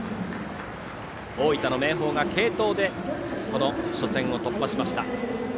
大分の明豊が継投で初戦を突破しました。